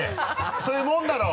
そういうもんだろ！